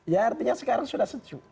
ya artinya sekarang sudah sejuk